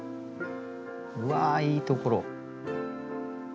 うわいいところ。